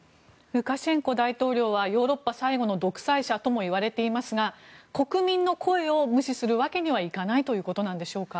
ルカシェンコ大統領はヨーロッパ最後の独裁者ともいわれていますが国民の声を無視するわけにはいかないということでしょうか。